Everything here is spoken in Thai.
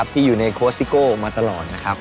ที่อยู่ในโค้ชซิโก้มาตลอดนะครับ